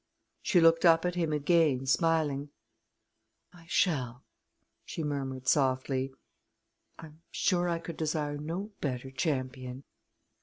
She looked up at him again, smiling. "I shall," she murmured softly. "I'm sure I could desire no better champion!"